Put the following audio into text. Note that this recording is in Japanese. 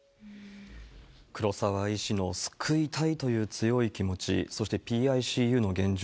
黒澤医師の救いたいという強い気持ち、そしてＰＩＣＵの現状。